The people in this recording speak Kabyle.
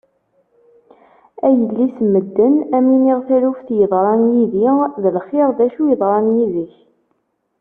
A yelli-s n medden ad am-iniɣ taluft yeḍran yid-i! D lxir, d acu yeḍran yid-k?